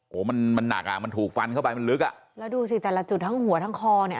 โอ้โหมันมันหนักอ่ะมันถูกฟันเข้าไปมันลึกอ่ะแล้วดูสิแต่ละจุดทั้งหัวทั้งคอเนี่ย